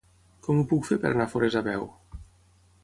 Com ho puc fer per anar a Forès a peu?